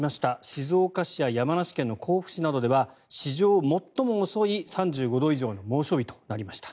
静岡市や山梨県の甲府市などでは史上最も遅い３５度以上の猛暑日となりました。